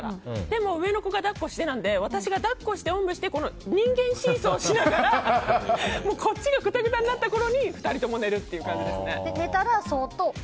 でも、上の子が抱っこしてなんで私が抱っこして、おんぶして人間シーソーをしながらこっちがくたくたになったころに２人とも寝る感じです。